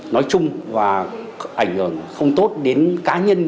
nói chung và ảnh hưởng không tốt đến cá nhân